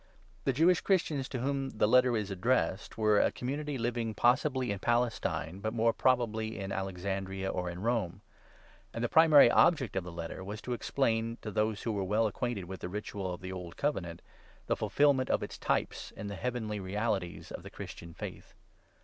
The Jewish Christians to whom the Letter is addressed were a community living, possibly, in Palestine, but more probably in Alexandria or in Rome ; and the primary object of the Letter was to explain, to those who were well acquainted with the ritual of the old Covenant, the fulfilment of its types in the heavenly realities of the Christian Faith.